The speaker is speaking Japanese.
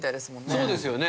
そうですよね。